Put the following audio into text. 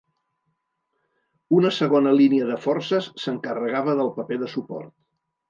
Una segona línia de forces s'encarregava del paper de suport.